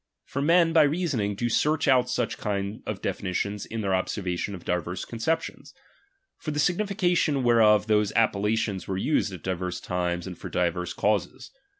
For men, by reasoning, do search out such ^H kind of definitions in their observation of diverse ^^M conceptions, for the signification whereof those ^^M appellations were used at diverse times and for di ^H verse causes.